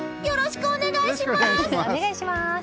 よろしくお願いします！